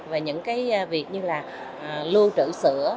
và những cái việc như là lưu trữ sữa